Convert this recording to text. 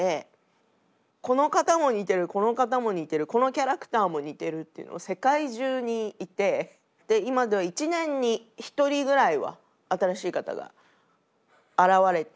この方も似てるこの方も似てるこのキャラクターも似てるっていうのが世界中にいて今では１年に１人ぐらいは新しい方が現れてっていう感じですね。